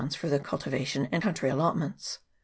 for the cul tivation and country allotments.